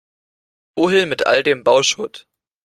Wohin mit all dem Bauschutt?